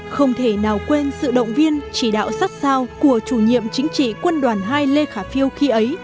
không thể nào quên sự động viên chỉ đạo sát sao của chủ nhiệm chính trị quân đoàn hai lê khả phiêu khi ấy